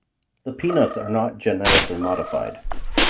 The peanuts are not genetically modified.